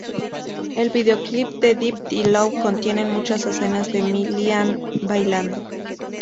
El video clip de Dip It Low contiene muchas escenas de Milian bailando.